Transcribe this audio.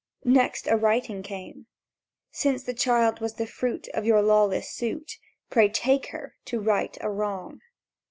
Next a writing came: "Since the child was the fruit Of your lawless suit, Pray take her, to right a wrong."